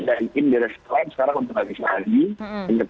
ada tim dari sekolah sekarang untuk